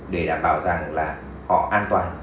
để đảm bảo rằng là họ an toàn